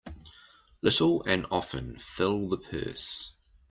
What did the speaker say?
Little and often fill the purse.